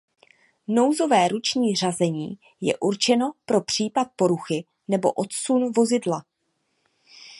Nouzové ruční řazení je určeno pro případ poruchy nebo odsun vozidla.